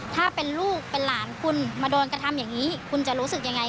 ถ้าเป็นลูกเป็นหลานคุณมาโดนกระทำอย่างนี้คุณจะรู้สึกยังไง